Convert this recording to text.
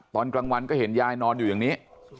ตอนกลางวันก็เห็นยายนอนอยู่อย่างนี้